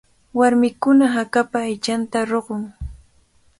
Warmikuna hakapa aychanta ruqun.